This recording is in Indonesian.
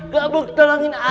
gak berkitalangin ana